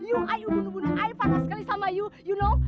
you i you bener bener i parah sekali sama you you know